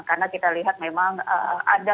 karena kita lihat memang ada kemungkinan